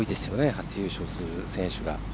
初優勝する選手が。